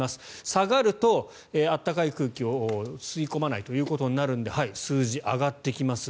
下がると暖かい空気を吸い込まないとなるので数字が上がってきます。